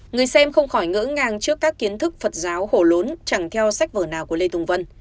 người xem không khỏi ngỡ ngàng trước các kiến thức phật giáo hổ lốn chẳng theo sách vở nào của lê tùng vân